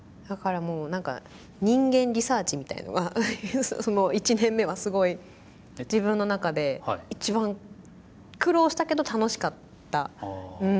だからもうなんか人間リサーチみたいのが１年目はすごい自分の中で一番苦労したけど楽しかった。